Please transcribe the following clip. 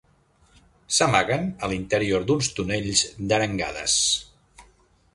S'amaguen a l'interior d'uns tonells d'arengades.